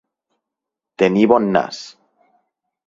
Tenir bon nas.